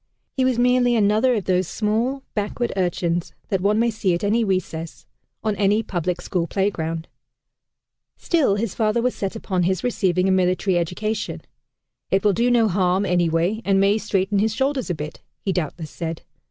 He was merely another of those small, backward urchins that one may see at any recess, on any public school playground. Still his father was set upon his receiving a military education. "It will do no harm, anyway, and may straighten his shoulders a bit," he doubtless said.